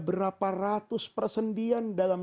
berapa ratus persendian dalam